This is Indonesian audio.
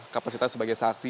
kapasitas sebagai saksi